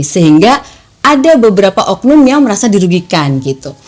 sehingga ada beberapa oknum yang merasa dirugikan gitu